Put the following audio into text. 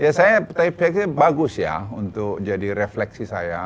ya saya pikir bagus ya untuk jadi refleksi saya